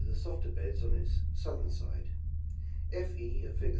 the softer beds on its southern side ; FE of flg.